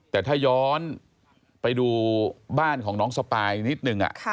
แต่ถ้าย้อนไปดูบ้านของน้องสปายนิดนึง